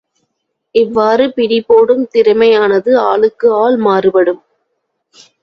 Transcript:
இவ்வாறு பிடிபோடும் திறமையானது ஆளுக்கு ஆள் மாறுபடும்.